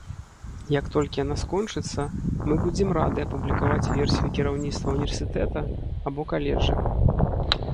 Як толькі яна скончыцца, мы будзем рады апублікаваць версію кіраўніцтва універсітэта або каледжа.